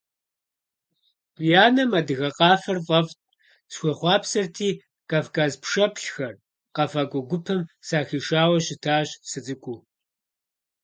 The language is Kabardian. Ди анэм адыгэ къафэр фӀэфӀт, схуехъуапсэрти, «Кавказ пшэплъхэр» къэфакӀуэ гупым сахишауэ щытащ сыцӀыкӀуу.